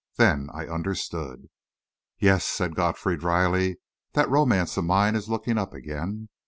Then I understood. "Yes," said Godfrey drily, "that romance of mine is looking up again.